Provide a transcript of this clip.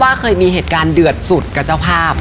ต้าว่าเคยมีเห็นคราวเอดสุดตกกับเจ้าภาพ